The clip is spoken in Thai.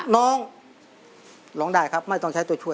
น้องร้องได้ครับไม่ต้องใช้ตัวช่วย